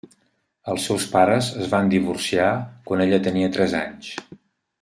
Els seus pares es van divorciar quan ella tenia tres anys.